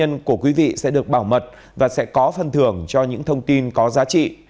thông tin của quý vị sẽ được bảo mật và sẽ có phân thưởng cho những thông tin có giá trị